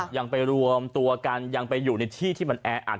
ยังไปรวมตัวกันยังไปอยู่ในที่ที่มันแออัด